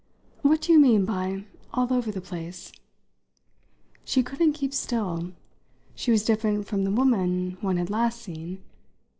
What do you mean by 'all over the place'?" "She couldn't keep still. She was different from the woman one had last seen.